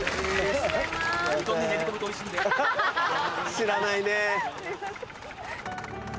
知らないねぇ。